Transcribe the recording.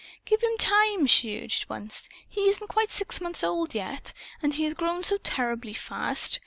"Give him time!" she urged once. "He isn't quite six months old yet; and he has grown so terribly fast.